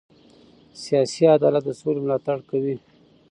سیاسي عدالت د سولې ملاتړ کوي